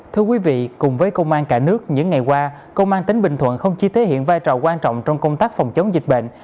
thưa quý vị cùng với công an cả nước những ngày qua công an tỉnh bình thuận không chỉ thể hiện vai trò quan trọng trong công tác phòng chống dịch bệnh